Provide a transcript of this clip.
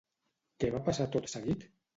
Què va passar tot seguit?